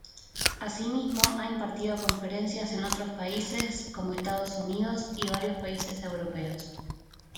Asimismo, ha impartido conferencias en otros países, como Estados Unidos y varios países europeos.